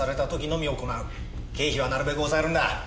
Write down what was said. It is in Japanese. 経費はなるべく抑えるんだ。